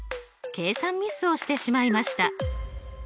計算ミスをしてしまいました。